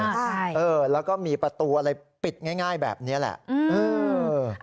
ใช่เออแล้วก็มีประตูอะไรปิดง่ายแบบนี้แหละ